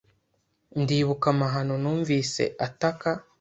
Ndibuka amahano numvise ataka.